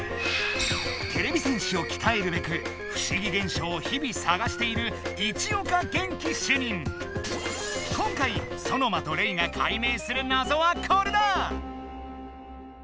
てれび戦士をきたえるべくふしぎげんしょうをひびさがしている今回ソノマとレイがかいめいするなぞはこれだ！